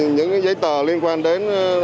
những giấy tờ liên quan đến